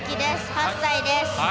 ８歳です。